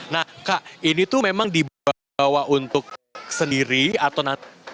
nah kak ini tuh memang dibawa untuk sendiri atau nanti